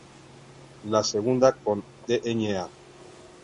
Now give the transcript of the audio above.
La segunda con Dña.